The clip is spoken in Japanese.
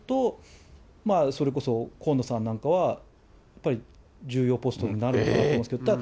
それこそ河野さんなんかは、やっぱり重要ポストになるかなと思いますけれども。